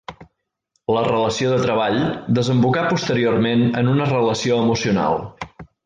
La relació de treball desembocà posteriorment en una relació emocional.